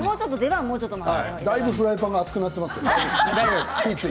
だいぶフライパンが熱くなってますけどね。